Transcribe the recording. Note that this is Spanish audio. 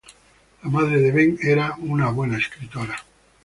La madre de Bengt era una buena escritora.